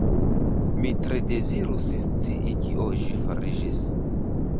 Mi tre dezirus scii, kio ĝi fariĝis.